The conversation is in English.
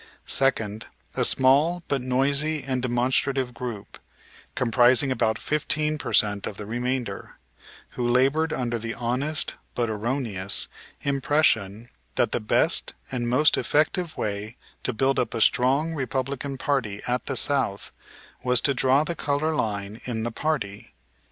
Second, a small but noisy and demonstrative group, comprising about fifteen per cent of the remainder, who labored under the honest, but erroneous, impression that the best and most effective way to build up a strong Republican party at the South was to draw the color line in the party.